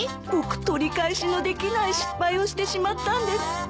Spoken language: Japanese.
僕取り返しのできない失敗をしてしまったんです。